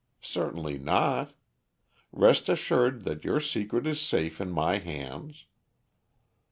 Certainly not. Rest assured that your secret is safe in my hands."